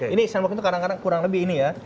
ini sandboard itu kadang kadang kurang lebih ini ya